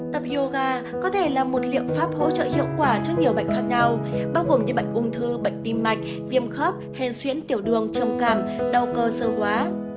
tập yoga có thể là một liệu pháp hỗ trợ hiệu quả cho nhiều bệnh khác nhau bao gồm như bệnh ung thư bệnh tim mạch viêm khớp hen xuyến tiểu đường trông càm đau cơ sơ hoá